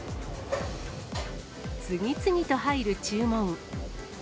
次々と入る注文。